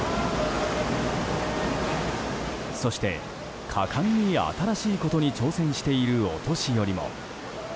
そして、果敢に新しいことに挑戦している、お年寄りも。